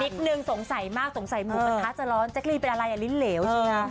หนึ่งสงสัยมากสงสัยหมูกระทะจะร้อนแจ๊กรีนเป็นอะไรอ่ะลิ้นเหลวจริง